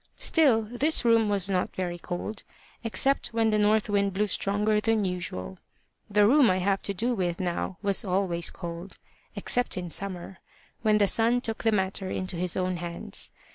Still, this room was not very cold, except when the north wind blew stronger than usual: the room I have to do with now was always cold, except in summer, when the sun took the matter into his own hands.